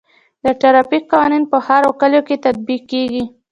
د ټرافیک قوانین په ښار او کلیو کې تطبیق کیږي.